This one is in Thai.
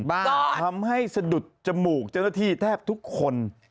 บ้างทำให้สะดุดจมูกเจ้าหน้าที่แทบทุกคน